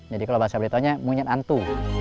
jadi kalau bahasa britanya munyid antu